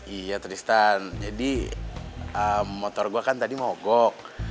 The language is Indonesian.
iya tristan jadi motor gue kan tadi mogok